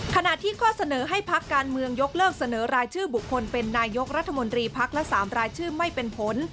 ขณะที่ข้อเสนอให้พักการเมืองยกเลิกเสนอรายชื่อบุคคลเป็นนายกรัฐมนตรีพักและ๓รายชื่อไม่เป็นผล